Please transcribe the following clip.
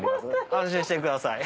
安心してください。